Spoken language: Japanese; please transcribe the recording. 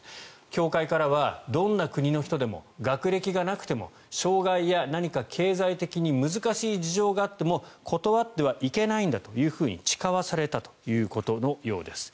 教会からは、どんな国の人でも学歴がなくても障害や、何か経済的に難しい事情があっても断ってはいけないんだと誓わされたということのようです。